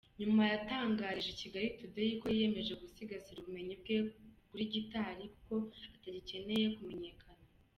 Nyuma yatangarije Kigali Today ko yiyemeje gusigasira ubumenyi bwe kuri gitari kuko atagikeneye kumenyekana.